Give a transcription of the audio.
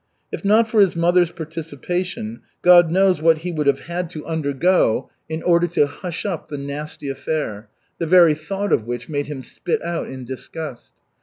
If not for his mother's participation, God knows what he would have had to undergo in order to hush up the nasty affair, the very thought of which made him spit out in disgust.